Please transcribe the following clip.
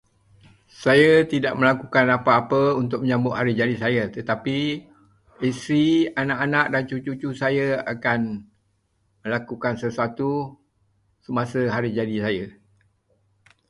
Saya tidak melakukan apa-apa untuk menyambut hari jadi saya, tetapi isteri, anak anak dan cucu-cucu saya akan melakukan sesuatu semasa hari jadi saya.